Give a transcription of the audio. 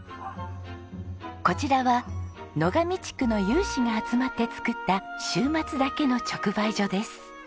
こちらは野上地区の有志が集まって作った週末だけの直売所です。